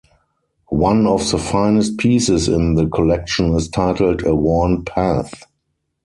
One of the finest pieces in the collection is titled A Worn Path.